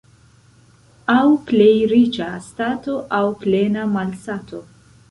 Aŭ plej riĉa stato, aŭ plena malsato.